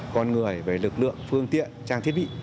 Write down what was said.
con người lực lượng phương tiện trang thiết bị